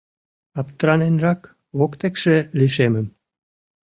Аптыраненрак, воктекше лишемым.